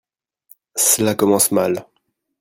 Cela commence mal